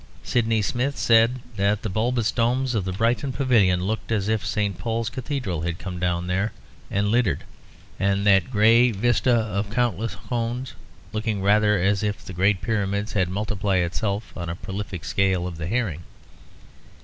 Sydney Smith said that the bulbous domes of the Brighton Pavilion looked as if St. Paul's Cathedral had come down there and littered; and that grey vista of countless cones looked rather as if the Great Pyramid had multiplied itself on the prolific scale of the herring.